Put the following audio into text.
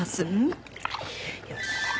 よし！